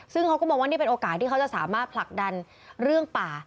ซึ่งเขาก็มองว่านี่เป็นโอกาสที่เขาจะสามารถผลักดันเรื่องป่า